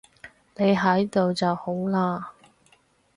你喺度就好喇